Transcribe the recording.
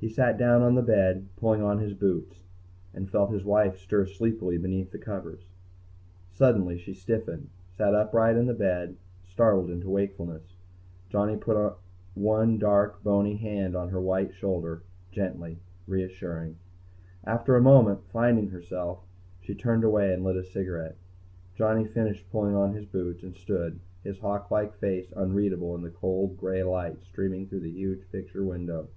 He sat down on the bed, pulling on his boots, and felt his wife stir sleepily beneath the covers. Suddenly she stiffened, sat upright in the bed, startled into wakefulness. Johnny put one dark, bony hand on her white shoulder, gently, reassuring. After a moment, finding herself, she turned away and lit a cigarette. Johnny finished pulling on his boots and stood, his hawk like face unreadable in the cold gray light streaming through the huge picture window.